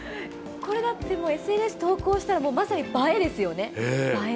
これだって、ＳＮＳ投稿したらもうまさに映えですよね、映え。